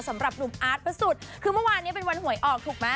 สำหรับหนุ่มอาร์ตพระสุทธิ์คือเมื่อวานนี้เป็นวันหวยออกถูกไหม